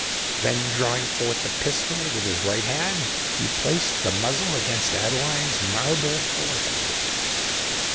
Then drawing forth the pistol with his right hand, he placed the muzzle against Adeline's marble forehead.